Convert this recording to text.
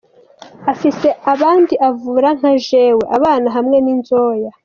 Afise abandi avura nka jewe, abana hamwe n'inzoya.